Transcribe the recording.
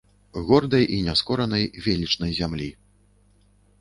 Гордай і няскоранай велічнай зямлі.